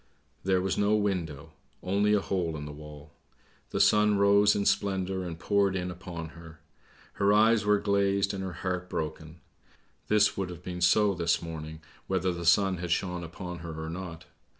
There was no window; only a hole in the wall. The sun rose in splendour and poured in upon her; her eyes were glazed and her heart broken! This would have been so this morning whether the sun had shone upon her or not.